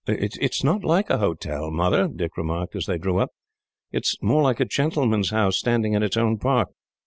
"It is not like a hotel, Mother," Dick remarked, as they drew up. "It is more like a gentleman's house, standing in its own park."